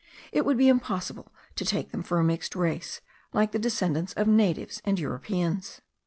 It would be impossible to take them for a mixed race, like the descendants of natives and Europeans.